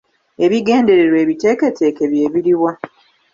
Ebigendererwa ebiteeketeeke bye biriwa?